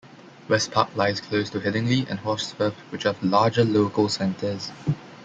West Park lies close to Headingley and Horsforth which have larger local centres.